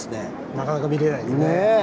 なかなか見れないですね。